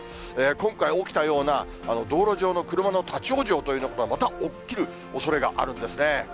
今回起きたような、道路上の車の立往生というようなことがまた起きるおそれがあるんですね。